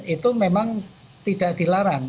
itu memang tidak dilarang